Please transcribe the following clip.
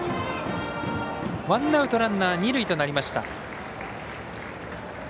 ワンアウト、ランナー、二塁となりました。